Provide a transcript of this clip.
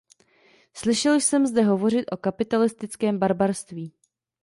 Slyšel jsem zde hovořit o kapitalistickém barbarství.